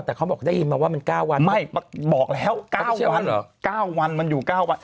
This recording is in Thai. แต่เขาบอกได้ยินมาว่ามัน๙วันไม่บอกแล้ว๙วันเหรอ๙วันมันอยู่๙วัน